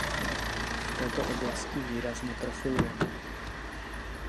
V této oblasti výrazně profilujeme.